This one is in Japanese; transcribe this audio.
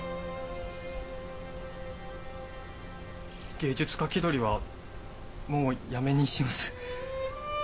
芸術家気取りはもうやめにします。